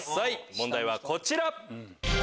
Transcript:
問題はこちら。